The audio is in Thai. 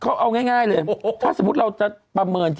เขาเอาง่ายเลยถ้าสมมุติเราจะประเมิน